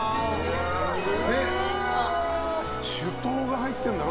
酒盗が入ってるんだろ。